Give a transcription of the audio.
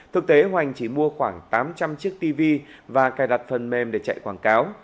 thực tế hoành chỉ mua khoảng tám trăm linh chiếc tv và cài đặt phần mềm để chạy quảng cáo